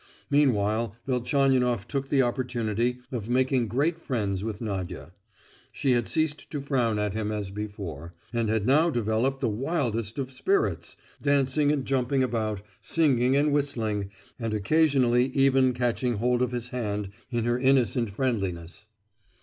Meanwhile Velchaninoff took the opportunity of making great friends with Nadia. She had ceased to frown at him as before, and had now developed the wildest of spirits, dancing and jumping about, singing and whistling, and occasionally even catching hold of his hand in her innocent friendliness.